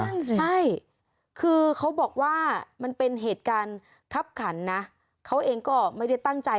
นั่นสิใช่คือเขาบอกว่ามันเป็นเหตุการณ์คับขันนะเขาเองก็ไม่ได้ตั้งใจ